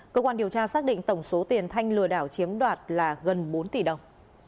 cơ quan điều tra xác định tổng số tiền thanh lừa đảo chiếm đoạt là gần bốn tỷ đồng